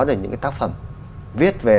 được những tác phẩm viết về